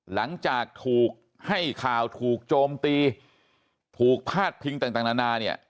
หลังจากถูกให้ข่าวถูกโจมตีถูกพาดพิงต่างนานาเนี่ย